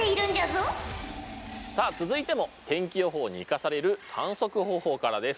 さあ続いても天気予報に生かされる観測方法からです。